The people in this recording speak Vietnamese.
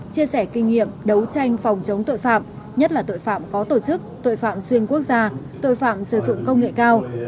chia sẻ kinh nghiệm đấu tranh phòng chống tội phạm nhất là tội phạm có tổ chức tội phạm xuyên quốc gia tội phạm sử dụng công nghệ cao